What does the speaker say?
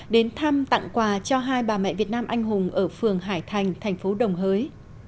đến thăm tặng quà cho hai bà mẹ việt nam anh hùng ở phường hải thành thành phố đồng hới